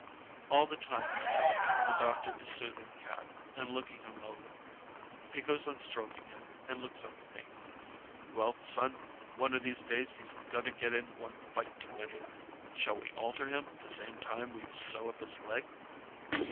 All the time he's talking, the doctor is soothing Cat and looking him over. He goes on stroking him and looks up at me. "Well, son, one of these days he's going to get in one fight too many. Shall we alter him the same time we sew up his leg?"